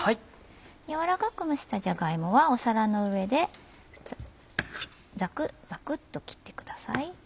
やわらかく蒸したじゃが芋は皿の上でザクっザクっと切ってください。